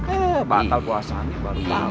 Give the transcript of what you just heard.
eh batal puasanya baru tahu